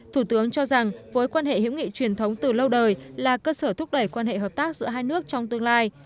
thủ tướng cho rằng với quan hệ hữu nghị truyền thống từ lâu đời là cơ sở thúc đẩy quan hệ hợp tác giữa hai nước trong tương lai